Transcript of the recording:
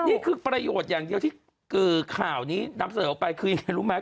นี่คือประโยชน์อย่างเดียวที่ข่าวนี้นำเสนอออกไปคือยังไงรู้ไหม